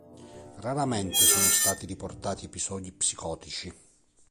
Raramente sono stati riportati episodi psicotici.